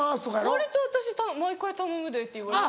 割と私毎回「頼むで」って言われてる。